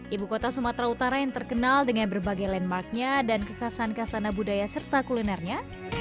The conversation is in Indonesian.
ibu kota sumatera utara yang terkenal dengan berbagai landmarknya dan kekasan kasana budaya serta kulinernya